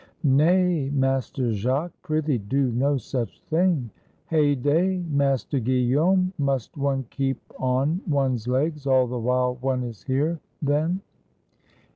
"Nay, Master Jacques, prithee do no such thing." "Hey day, Master Guillaume! must one keep on one's legs all the while one is here, then?"